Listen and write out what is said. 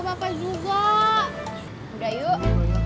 deman kita udah nih